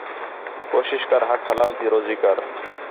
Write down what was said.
کوشش کر حق حلال تی روزی کر